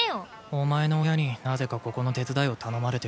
お前の親になぜかここの手伝いを頼まれている。